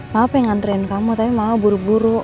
ma pengen ngantrein kamu tapi mama buru buru